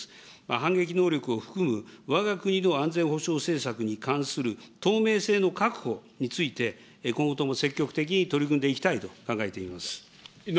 反撃能力を含むわが国の安全保障政策に関する透明性の確保について、今後とも積極的に取り組んでいきたいと考えています。